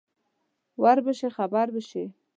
ور به شې خبر به شې